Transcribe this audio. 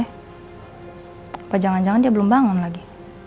apa jangan jangan dia belum bangun lagi